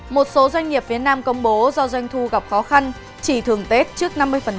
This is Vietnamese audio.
một số doanh nghiệp phía nam công bố do doanh thu gặp khó khăn chỉ thường tết trước năm mươi